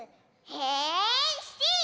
へんしん！